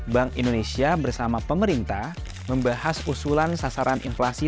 bank indonesia bersama pemerintah membahas usulan sasaran inflasi